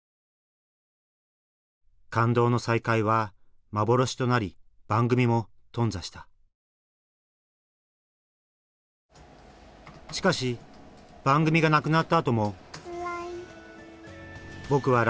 感動の再会は幻となり番組も頓挫したしかし番組がなくなったあとも「ＬＩＮＥ！」。